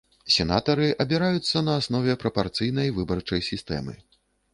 Сенатары абіраюцца на аснове прапарцыйнай выбарчай сістэмы.